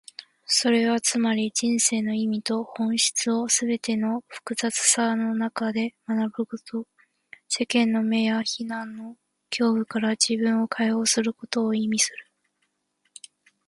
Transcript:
それはつまり、人生の意味と本質をすべての複雑さの中で学ぶこと、世間の目や非難の恐怖から自分を解放することを意味する。